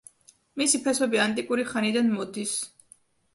მისი ფესვები ანტიკური ხანიდან მოდის.